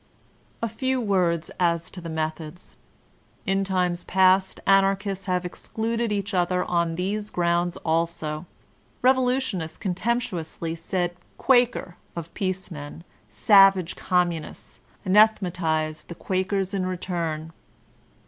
A few words as to the methods. In times past An archists have excluded each other on these grounds also ; revolutionists contemptuously said "Quaker" of peace men; "savage Communists" anathematized the Quakers in return.